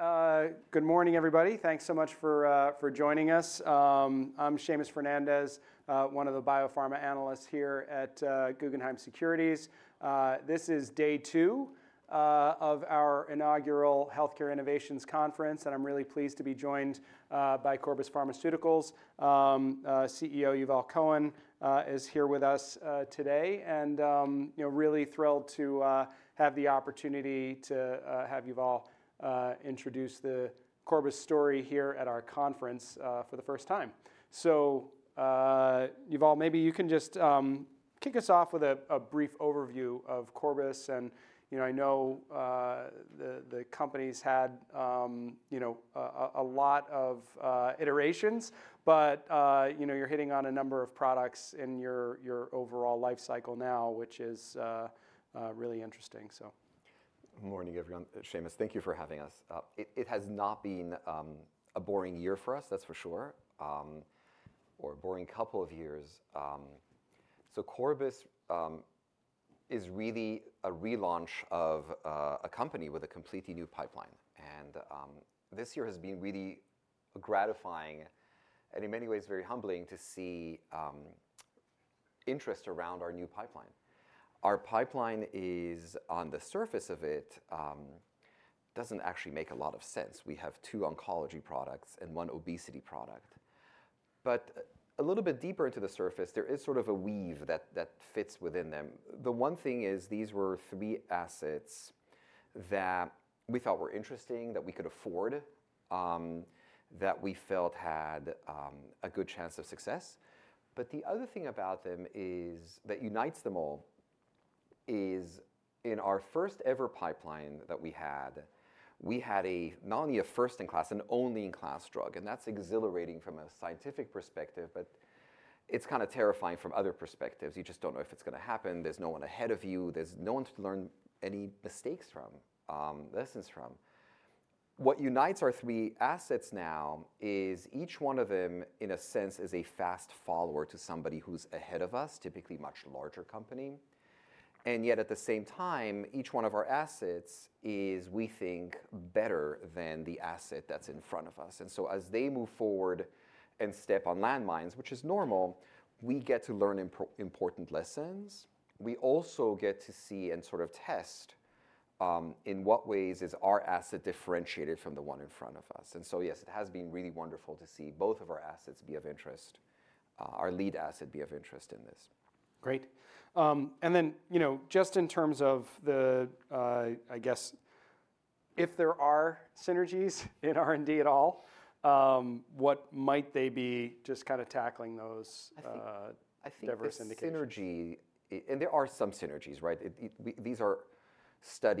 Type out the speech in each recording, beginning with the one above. Right. Good morning, everybody. Thanks so much for joining us. I'm Seamus Fernandez, one of the biopharma analysts here at Guggenheim Securities. This is day two of our inaugural Healthcare Innovations Conference, and I'm really pleased to be joined by Corbus Pharmaceuticals. CEO Yuval Cohen is here with us today and really thrilled to have the opportunity to have Yuval introduce the Corbus story here at our conference for the first time. So, Yuval, maybe you can just kick us off with a brief overview of Corbus. And I know the company's had a lot of iterations, but you're hitting on a number of products in your overall life cycle now, which is really interesting. Good morning, everyone. Seamus, thank you for having us. It has not been a boring year for us, that's for sure, or a boring couple of years, so Corbus is really a relaunch of a company with a completely new pipeline, and this year has been really gratifying and, in many ways, very humbling to see interest around our new pipeline. Our pipeline, on the surface of it, doesn't actually make a lot of sense. We have two oncology products and one obesity product, but a little bit deeper into the surface, there is sort of a weave that fits within them. The one thing is these were three assets that we thought were interesting, that we could afford, that we felt had a good chance of success. But the other thing about them that unites them all is, in our first-ever pipeline that we had, we had not only a first-in-class and only-in-class drug, and that's exhilarating from a scientific perspective, but it's kind of terrifying from other perspectives. You just don't know if it's going to happen. There's no one ahead of you. There's no one to learn any mistakes from, lessons from. What unites our three assets now is each one of them, in a sense, is a fast follower to somebody who's ahead of us, typically a much larger company. And yet, at the same time, each one of our assets is, we think, better than the asset that's in front of us. And so, as they move forward and step on landmines, which is normal, we get to learn important lessons. We also get to see and sort of test in what ways is our asset differentiated from the one in front of us, and so, yes, it has been really wonderful to see both of our assets be of interest, our lead asset be of interest in this. Great. And then, just in terms of the, I guess, if there are synergies in R&D at all, what might they be, just kind of tackling those diverse indicators? I think there are some synergies, right? These are assets that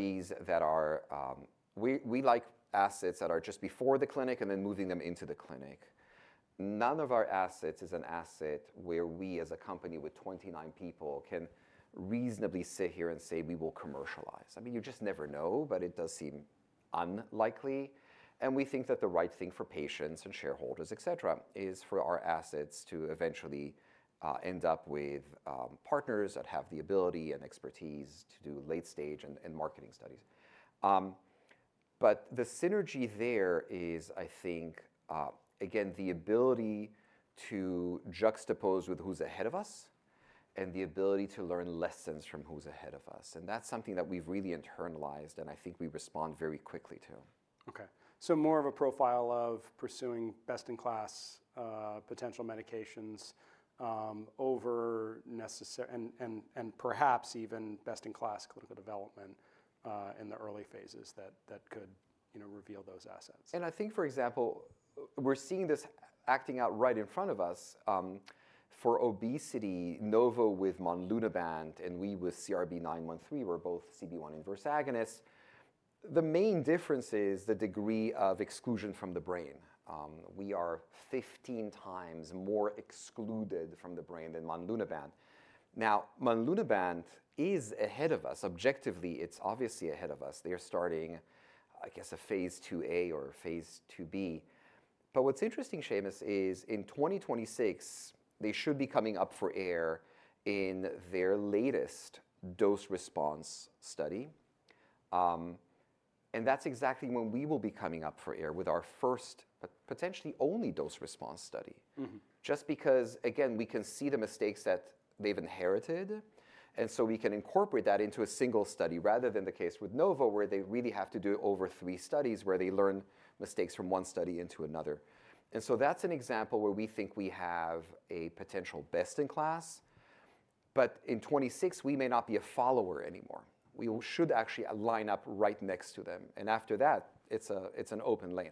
we like that are just before the clinic and then moving them into the clinic. None of our assets is an asset where we, as a company with 29 people, can reasonably sit here and say, we will commercialize. I mean, you just never know, but it does seem unlikely. And we think that the right thing for patients and shareholders, et cetera, is for our assets to eventually end up with partners that have the ability and expertise to do late-stage and marketing studies. But the synergy there is, I think, again, the ability to juxtapose with who's ahead of us and the ability to learn lessons from who's ahead of us. And that's something that we've really internalized, and I think we respond very quickly to. OK. So more of a profile of pursuing best-in-class potential medications over necessary and perhaps even best-in-class clinical development in the early phases that could reveal those assets. I think, for example, we're seeing this acting out right in front of us. For obesity, Novo with monlunabant and we with CRB-913 were both CB1 inverse agonists. The main difference is the degree of exclusion from the brain. We are 15 times more excluded from the brain than monlunabant. Now, monlunabant is ahead of us. Objectively, it's obviously ahead of us. They are starting, I guess, a Phase 2a or Phase 2b. But what's interesting, Seamus, is in 2026, they should be coming up for air in their latest dose response study. And that's exactly when we will be coming up for air with our first, potentially only, dose response study. Just because, again, we can see the mistakes that they've inherited. And so we can incorporate that into a single study, rather than the case with Novo, where they really have to do over three studies where they learn mistakes from one study into another. And so that's an example where we think we have a potential best-in-class. But in 2026, we may not be a follower anymore. We should actually line up right next to them. And after that, it's an open lane.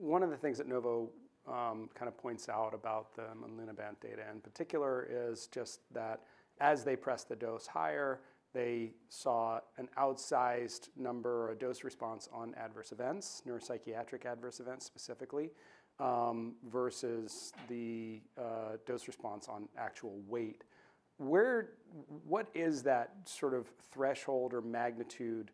One of the things that Novo kind of points out about the monlunabant data in particular is just that, as they press the dose higher, they saw an outsized number or dose response on adverse events, neuropsychiatric adverse events specifically, versus the dose response on actual weight. What is that sort of threshold or magnitude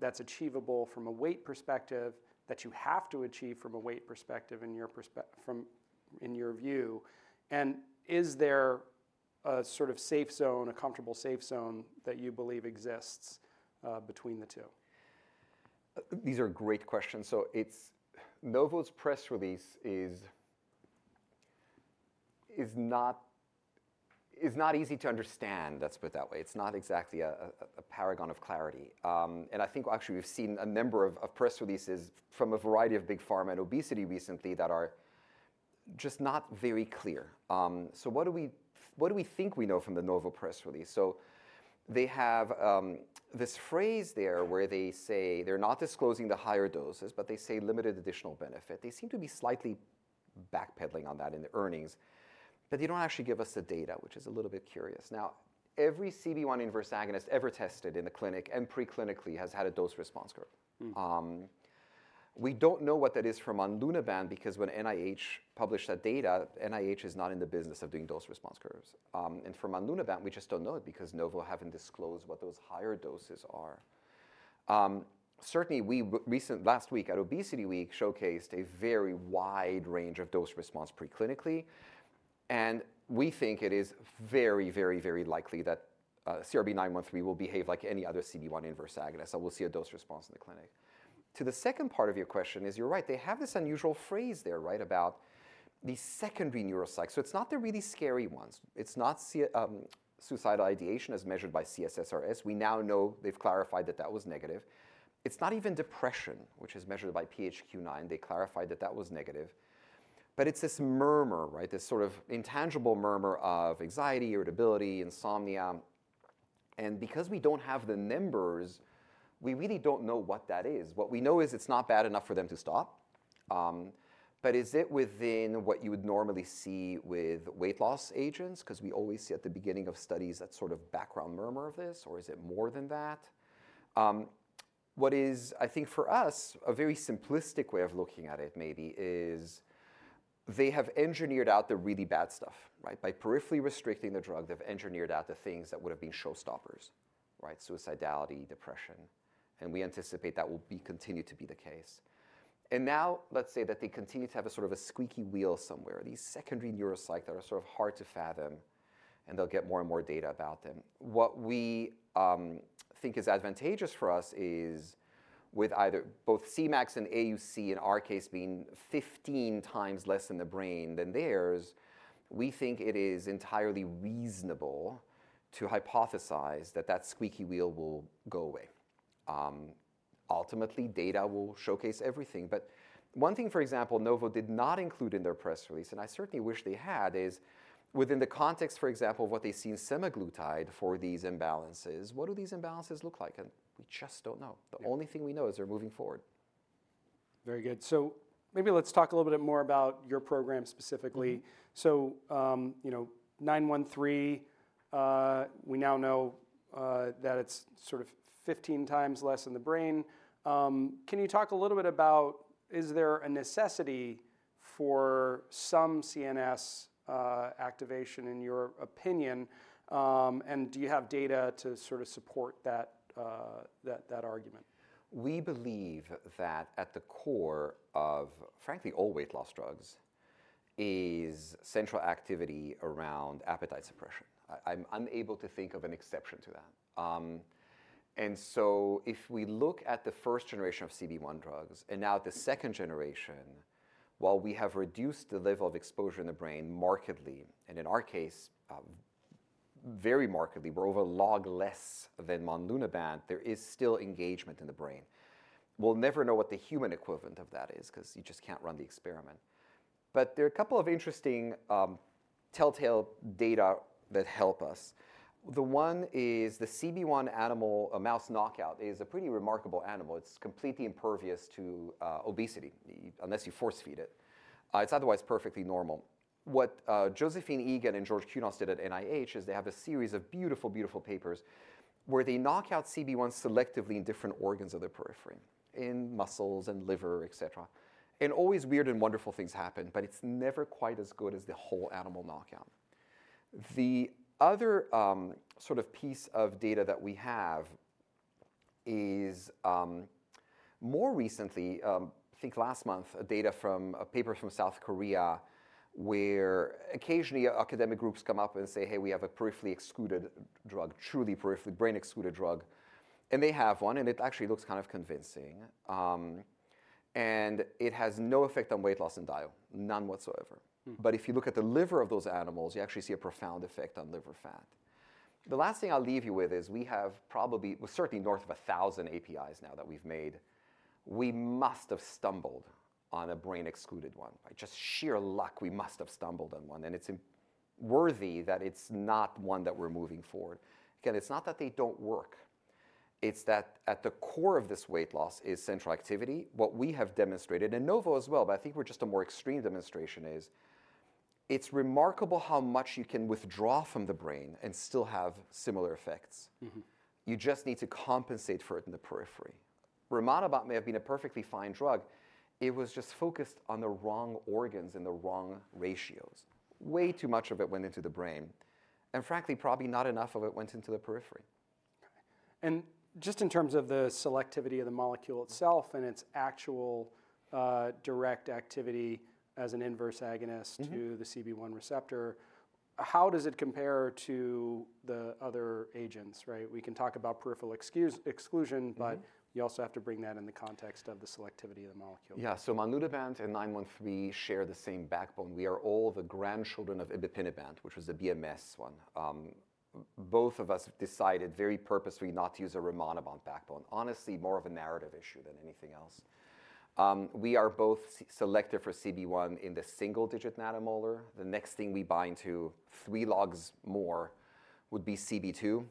that's achievable from a weight perspective that you have to achieve from a weight perspective in your view? And is there a sort of safe zone, a comfortable safe zone, that you believe exists between the two? These are great questions, so Novo's press release is not easy to understand, let's put it that way. It's not exactly a paragon of clarity, and I think, actually, we've seen a number of press releases from a variety of big pharma and obesity recently that are just not very clear, so what do we think we know from the Novo press release? They have this phrase there where they say they're not disclosing the higher doses, but they say limited additional benefit. They seem to be slightly backpedaling on that in the earnings, but they don't actually give us the data, which is a little bit curious. Now, every CB1 inverse agonist ever tested in the clinic and preclinically has had a dose response curve. We don't know what that is for monlunabant because, when NIH published that data, NIH is not in the business of doing dose response curves. And for monlunabant, we just don't know it because Novo hasn't disclosed what those higher doses are. Certainly, we recently, last week at ObesityWeek, showcased a very wide range of dose response preclinically. And we think it is very, very, very likely that CRB-913 will behave like any other CB1 inverse agonist, so we'll see a dose response in the clinic. To the second part of your question is, you're right. They have this unusual phrase there about the secondary neuropsych. So it's not the really scary ones. It's not suicidal ideation as measured by C-SSRS. We now know they've clarified that that was negative. It's not even depression, which is measured by PHQ-9. They clarified that that was negative. But it's this murmur, this sort of intangible murmur of anxiety, irritability, insomnia. And because we don't have the numbers, we really don't know what that is. What we know is it's not bad enough for them to stop. But is it within what you would normally see with weight loss agents? Because we always see, at the beginning of studies, that sort of background murmur of this, or is it more than that? What is, I think, for us, a very simplistic way of looking at it maybe is they have engineered out the really bad stuff. By peripherally restricting the drug, they've engineered out the things that would have been showstoppers: suicidality, depression. And we anticipate that will continue to be the case. And now, let's say that they continue to have a sort of squeaky wheel somewhere, these secondary neuropsych that are sort of hard to fathom, and they'll get more and more data about them. What we think is advantageous for us is, with either both Cmax and AUC, in our case, being 15 times less in the brain than theirs, we think it is entirely reasonable to hypothesize that that squeaky wheel will go away. Ultimately, data will showcase everything. But one thing, for example, Novo did not include in their press release, and I certainly wish they had, is, within the context, for example, of what they see in semaglutide for these imbalances, what do these imbalances look like? And we just don't know. The only thing we know is they're moving forward. Very good. So maybe let's talk a little bit more about your program specifically. So CRB-913, we now know that it's sort of 15 times less in the brain. Can you talk a little bit about, is there a necessity for some CNS activation, in your opinion? And do you have data to sort of support that argument? We believe that, at the core of, frankly, all weight loss drugs, is central activity around appetite suppression. I'm unable to think of an exception to that, and so if we look at the first generation of CB1 drugs and now at the second generation, while we have reduced the level of exposure in the brain markedly, and in our case, very markedly, we're over a log less than monlunabant, there is still engagement in the brain. We'll never know what the human equivalent of that is because you just can't run the experiment, but there are a couple of interesting telltale data that help us. The one is the CB1 animal, a mouse knockout, is a pretty remarkable animal. It's completely impervious to obesity, unless you force-feed it. It's otherwise perfectly normal. What Josephine Egan and George Kunos did at NIH is they have a series of beautiful, beautiful papers where they knock out CB1 selectively in different organs of the periphery, in muscles and liver, et cetera. Always weird and wonderful things happen, but it's never quite as good as the whole animal knockout. The other sort of piece of data that we have is, more recently, I think last month, data from a paper from South Korea where occasionally academic groups come up and say, hey, we have a peripherally excluded drug, truly peripherally brain-excluded drug. They have one, and it actually looks kind of convincing. It has no effect on weight loss and DIO, none whatsoever. If you look at the liver of those animals, you actually see a profound effect on liver fat. The last thing I'll leave you with is we have probably, certainly north of 1,000 APIs now that we've made. We must have stumbled on a brain-excluded one. By just sheer luck, we must have stumbled on one. And it's worth noting that it's not one that we're moving forward. Again, it's not that they don't work. It's that, at the core of this weight loss is central activity. What we have demonstrated, and Novo as well, but I think we're just a more extreme demonstration, is it's remarkable how much you can withdraw from the brain and still have similar effects. You just need to compensate for it in the periphery. Rimonabant may have been a perfectly fine drug. It was just focused on the wrong organs and the wrong ratios. Way too much of it went into the brain. Frankly, probably not enough of it went into the periphery. Just in terms of the selectivity of the molecule itself and its actual direct activity as an inverse agonist to the CB1 receptor, how does it compare to the other agents? We can talk about peripheral exclusion, but you also have to bring that in the context of the selectivity of the molecule. Yeah. So monlunabant and 913 share the same backbone. We are all the grandchildren of ibipinabant, which was the BMS one. Both of us decided very purposely not to use a rimonabant backbone. Honestly, more of a narrative issue than anything else. We are both selected for CB1 in the single-digit nanomolar. The next thing we bind to three logs more would be CB2.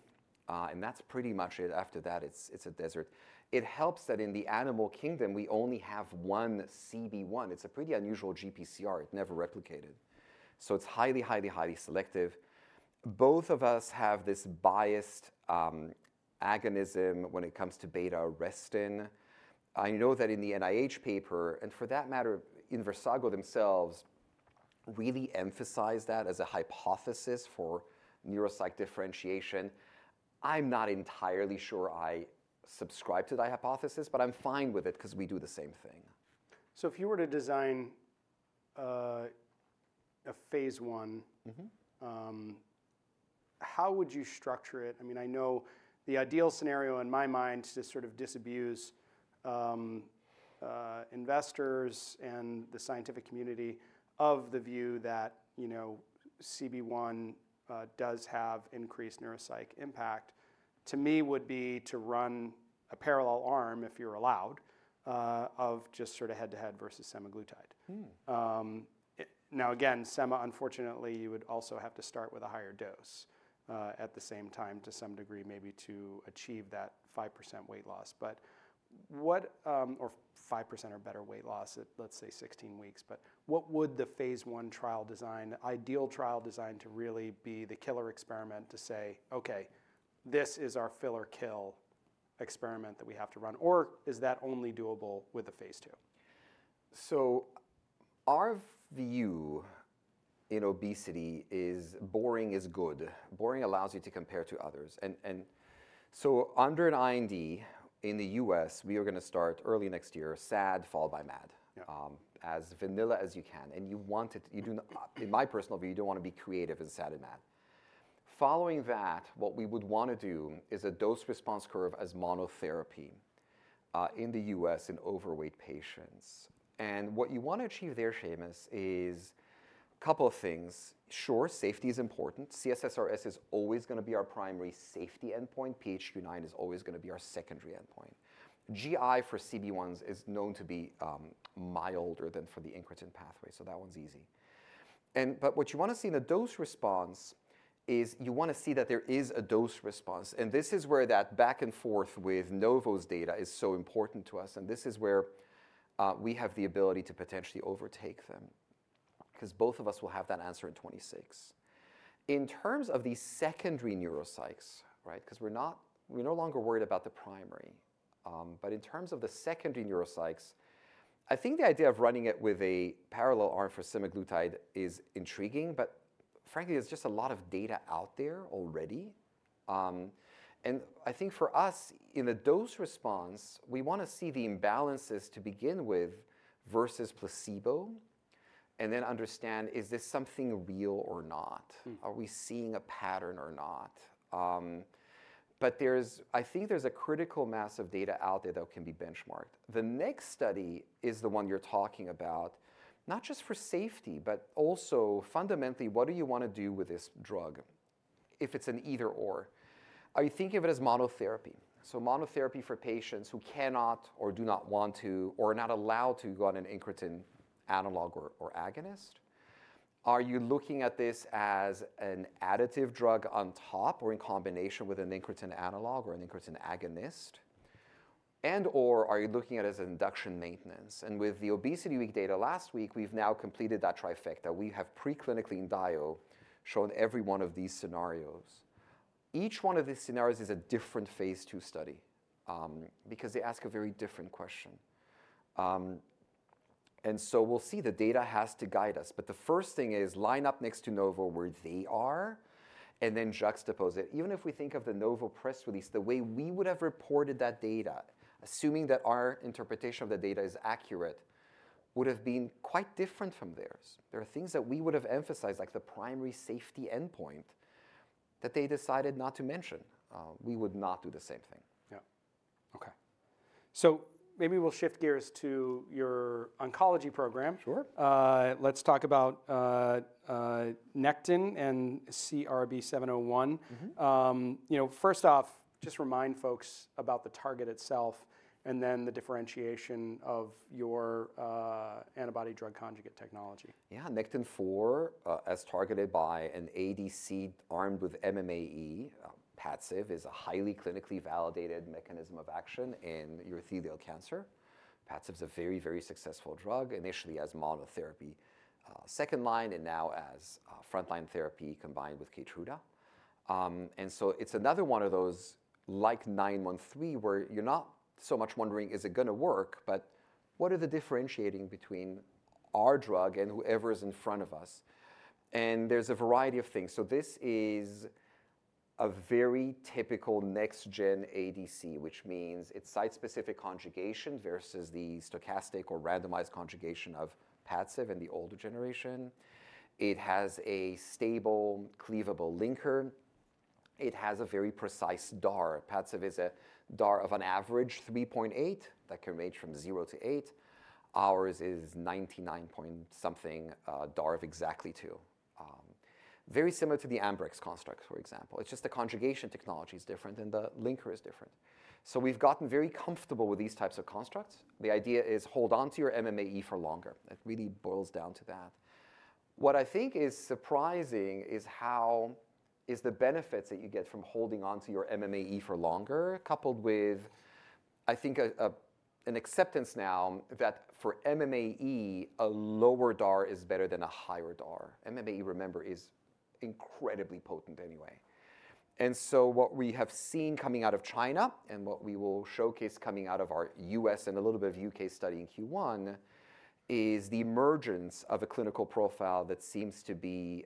And that's pretty much it. After that, it's a desert. It helps that, in the animal kingdom, we only have one CB1. It's a pretty unusual GPCR. It never replicated. So it's highly, highly, highly selective. Both of us have this biased agonism when it comes to beta-arrestin. I know that, in the NIH paper, and for that matter, Inversago themselves really emphasized that as a hypothesis for neuropsych differentiation. I'm not entirely sure I subscribe to that hypothesis, but I'm fine with it because we do the same thing. So if you were to design a Phase I, how would you structure it? I mean, I know the ideal scenario, in my mind, to sort of disabuse investors and the scientific community of the view that CB1 does have increased neuropsych impact, to me, would be to run a parallel arm, if you're allowed, of just sort of head-to-head versus semaglutide. Now, again, sema, unfortunately, you would also have to start with a higher dose at the same time, to some degree, maybe to achieve that 5% weight loss. Or 5% or better weight loss at, let's say, 16 weeks. But what would the Phase I trial design, the ideal trial design, to really be the killer experiment to say, OK, this is our fill or kill experiment that we have to run? Or is that only doable with a Phase II? So our view in obesity is boring is good. Boring allows you to compare to others. And so under an IND, in the U.S., we are going to start early next year, SAD followed by MAD, as vanilla as you can. And you want it. In my personal view, you don't want to be creative in SAD and MAD. Following that, what we would want to do is a dose response curve as monotherapy in the U.S. in overweight patients. And what you want to achieve there, Seamus, is a couple of things. Sure, safety is important. C-SSRS is always going to be our primary safety endpoint. PHQ-9 is always going to be our secondary endpoint. GI for CB1s is known to be milder than for the incretin pathway, so that one's easy. But what you want to see in the dose response is you want to see that there is a dose response. And this is where that back and forth with Novo's data is so important to us. And this is where we have the ability to potentially overtake them because both of us will have that answer in 2026. In terms of the secondary neuropsychs, because we're no longer worried about the primary, but in terms of the secondary neuropsychs, I think the idea of running it with a parallel arm for semaglutide is intriguing. But frankly, there's just a lot of data out there already. And I think, for us, in the dose response, we want to see the imbalances to begin with versus placebo and then understand, is this something real or not? Are we seeing a pattern or not? But I think there's a critical mass of data out there that can be benchmarked. The next study is the one you're talking about, not just for safety, but also, fundamentally, what do you want to do with this drug if it's an either/or? Are you thinking of it as monotherapy? So monotherapy for patients who cannot or do not want to or are not allowed to go on an incretin analog or agonist? Are you looking at this as an additive drug on top or in combination with an incretin analog or an incretin agonist? And/or are you looking at it as induction maintenance? And with the ObesityWeek data last week, we've now completed that trifecta. We have, pre-clinically in DIO, shown every one of these scenarios. Each one of these scenarios is a different Phase II study because they ask a very different question. And so we'll see. The data has to guide us. But the first thing is line up next to Novo where they are and then juxtapose it. Even if we think of the Novo press release, the way we would have reported that data, assuming that our interpretation of the data is accurate, would have been quite different from theirs. There are things that we would have emphasized, like the primary safety endpoint, that they decided not to mention. We would not do the same thing. Yeah. OK. So maybe we'll shift gears to your oncology program. Sure. Let's talk about Nectin-4 and CRB-701. First off, just remind folks about the target itself and then the differentiation of your antibody-drug conjugate technology. Yeah. Nectin-4, as targeted by an ADC armed with MMAE, Padcev, is a highly clinically validated mechanism of action in urothelial cancer. Padcev is a very, very successful drug, initially as monotherapy, second line, and now as frontline therapy combined with Keytruda. And so it's another one of those, like 913, where you're not so much wondering, is it going to work? But what are the differentiating between our drug and whoever is in front of us? And there's a variety of things. So this is a very typical next-gen ADC, which means it's site-specific conjugation versus the stochastic or randomized conjugation of Padcev and the older generation. It has a stable, cleavable linker. It has a very precise DAR. Padcev is a DAR of an average 3.8 that can range from 0-8. Ours is 99 point something DAR of exactly 2. Very similar to the Ambrx construct, for example. It's just the conjugation technology is different, and the linker is different. So we've gotten very comfortable with these types of constructs. The idea is, hold on to your MMAE for longer. It really boils down to that. What I think is surprising is how the benefits that you get from holding on to your MMAE for longer, coupled with, I think, an acceptance now that, for MMAE, a lower DAR is better than a higher DAR. MMAE, remember, is incredibly potent, anyway. And so what we have seen coming out of China and what we will showcase coming out of our U.S. and a little bit of U.K. study in Q1 is the emergence of a clinical profile that seems to be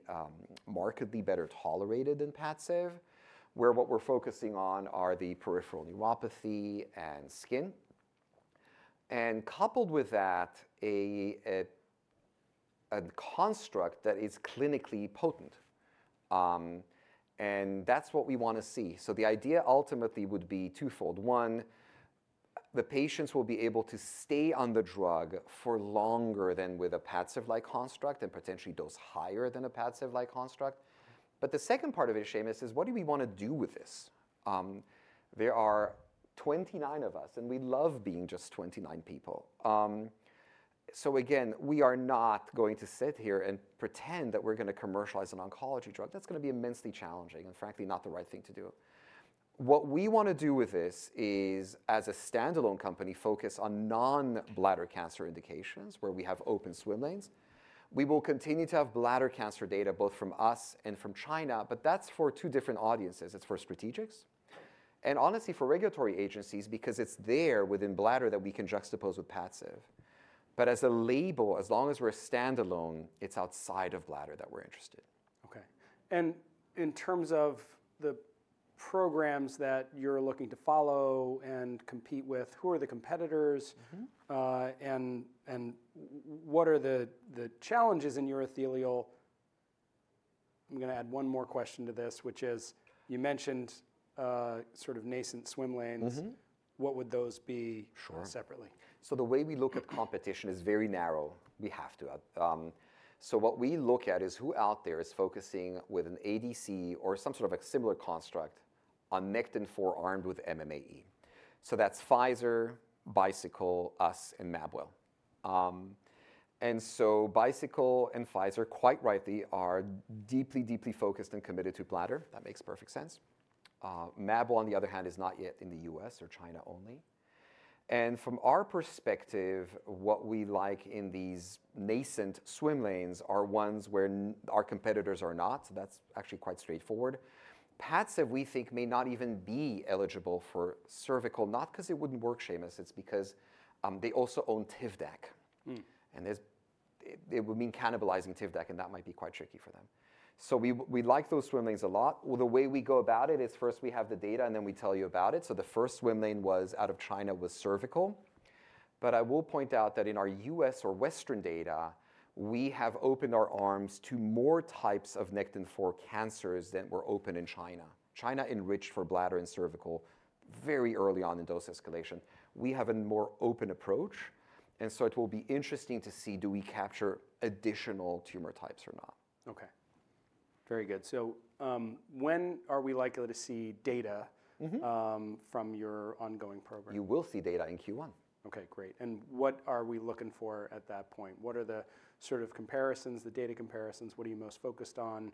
markedly better tolerated than Padcev, where what we're focusing on are the peripheral neuropathy and skin. Coupled with that, a construct that is clinically potent. That's what we want to see. The idea, ultimately, would be twofold. One, the patients will be able to stay on the drug for longer than with a Padcev-like construct and potentially dose higher than a Padcev-like construct. The second part of it, Seamus, is, what do we want to do with this? There are 29 of us, and we love being just 29 people. So again, we are not going to sit here and pretend that we're going to commercialize an oncology drug. That's going to be immensely challenging and, frankly, not the right thing to do. What we want to do with this is, as a standalone company, focus on non-bladder cancer indications, where we have open swim lanes. We will continue to have bladder cancer data, both from us and from China. But that's for two different audiences. It's for strategics and, honestly, for regulatory agencies, because it's there within bladder that we can juxtapose with Padcev. But as a label, as long as we're standalone, it's outside of bladder that we're interested. OK. And in terms of the programs that you're looking to follow and compete with, who are the competitors? And what are the challenges in urothelial? I'm going to add one more question to this, which is, you mentioned sort of nascent swim lanes. What would those be separately? Sure. So the way we look at competition is very narrow. We have to. So what we look at is who out there is focusing, with an ADC or some sort of a similar construct, on Nectin-4 armed with MMAE. So that's Pfizer, Bicycle Therapeutics, us, and Mabwell. And so Bicycle Therapeutics and Pfizer, quite rightly, are deeply, deeply focused and committed to bladder. That makes perfect sense. Mabwell, on the other hand, is not yet in the U.S. or China only. And from our perspective, what we like in these nascent swim lanes are ones where our competitors are not. That's actually quite straightforward. Padcev, we think, may not even be eligible for cervical, not because it wouldn't work, Seamus. It's because they also own Tivdek. And it would mean cannibalizing Tivdek, and that might be quite tricky for them. So we like those swim lanes a lot. The way we go about it is, first, we have the data, and then we tell you about it. So the first swim lane out of China was cervical. But I will point out that, in our U.S. or Western data, we have opened our arms to more types of Nectin-4 cancers than were open in China, China enriched for bladder and cervical very early on in dose escalation. We have a more open approach. And so it will be interesting to see, do we capture additional tumor types or not? OK. Very good. So when are we likely to see data from your ongoing program? You will see data in Q1. OK, great. And what are we looking for at that point? What are the sort of comparisons, the data comparisons? What are you most focused on,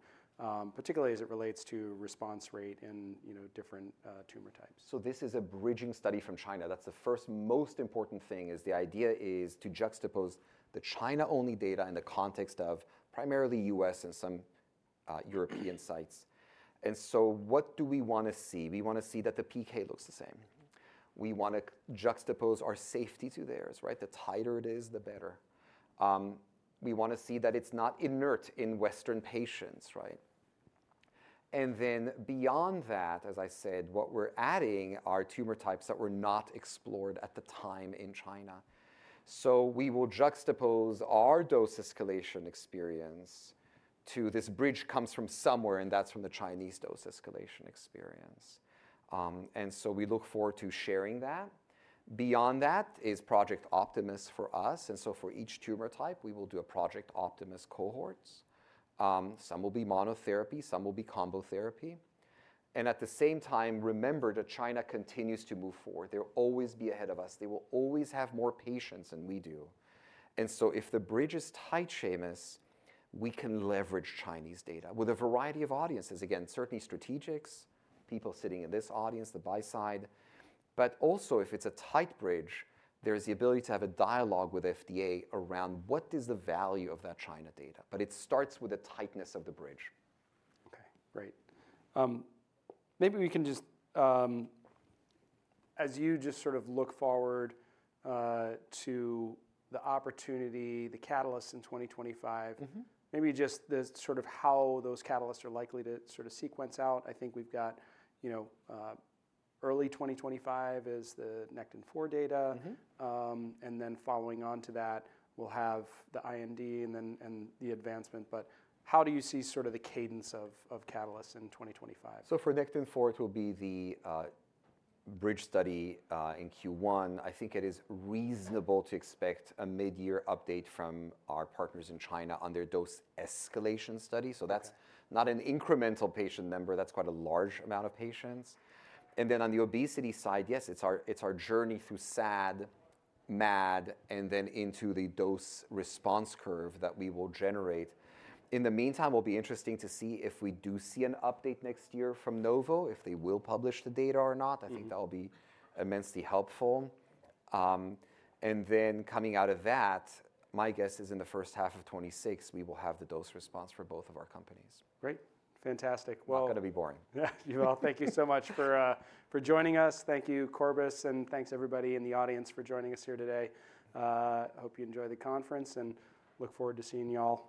particularly as it relates to response rate in different tumor types? This is a bridging study from China. That's the first most important thing. The idea is to juxtapose the China-only data in the context of primarily U.S. and some European sites. What do we want to see? We want to see that the PK looks the same. We want to juxtapose our safety to theirs. The tighter it is, the better. We want to see that it's not inert in Western patients. Beyond that, as I said, what we're adding are tumor types that were not explored at the time in China. We will juxtapose our dose escalation experience to this. Bridge comes from somewhere, and that's from the Chinese dose escalation experience. We look forward to sharing that. Beyond that is Project Optimus for us. For each tumor type, we will do a Project Optimus cohort. Some will be monotherapy. Some will be combo therapy. And at the same time, remember that China continues to move forward. They'll always be ahead of us. They will always have more patients than we do. And so if the bridge is tight, Seamus, we can leverage Chinese data with a variety of audiences. Again, certainly strategics, people sitting in this audience, the buy side. But also, if it's a tight bridge, there is the ability to have a dialogue with FDA around what is the value of that China data. But it starts with the tightness of the bridge. OK, great. Maybe we can just, as you just sort of look forward to the opportunity, the catalysts in 2025, maybe just sort of how those catalysts are likely to sort of sequence out. I think we've got early 2025 as the Nectin-4 data. And then, following on to that, we'll have the IND and the advancement. But how do you see sort of the cadence of catalysts in 2025? So for Nectin-4, it will be the bridge study in Q1. I think it is reasonable to expect a mid-year update from our partners in China on their dose escalation study. So that's not an incremental patient number. That's quite a large amount of patients. And then, on the obesity side, yes, it's our journey through SAD, MAD, and then into the dose response curve that we will generate. In the meantime, it will be interesting to see if we do see an update next year from Novo, if they will publish the data or not. I think that will be immensely helpful. And then, coming out of that, my guess is, in the first half of 2026, we will have the dose response for both of our companies. Great. Fantastic. Not going to be boring. Yeah. Well, thank you so much for joining us. Thank you, Corbus, and thanks, everybody in the audience, for joining us here today. Hope you enjoy the conference and look forward to seeing y'all.